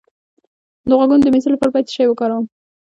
د غوږونو د مینځلو لپاره باید څه شی وکاروم؟